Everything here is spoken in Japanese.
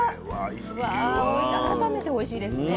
改めておいしいですね。